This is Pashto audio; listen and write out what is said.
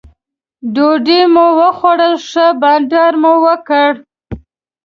ډوډۍ مو وخوړل ښه بانډار مو وکړ.